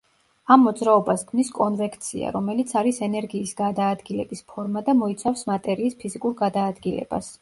ამ მოძრაობას ქმნის კონვექცია, რომელიც არის ენერგიის გადაადგილების ფორმა და მოიცავს მატერიის ფიზიკურ გადაადგილებას.